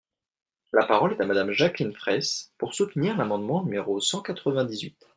La parole est à Madame Jacqueline Fraysse, pour soutenir l’amendement numéro cent quatre-vingt-dix-huit.